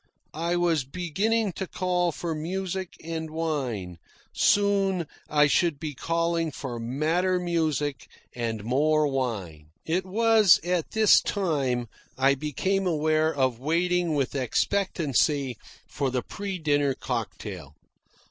I was beginning to call for music and wine; soon I should be calling for madder music and more wine. It was at this time I became aware of waiting with expectancy for the pre dinner cocktail.